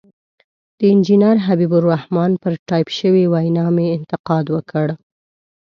د انجنیر حبیب الرحمن پر ټایپ شوې وینا مې انتقاد وکړ.